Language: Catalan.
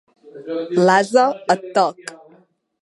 L'ase et toc!